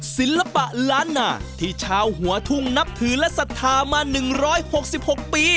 ศิลปะล้านนาที่ชาวหัวทุ่งนับถือและศรัทธามา๑๖๖ปี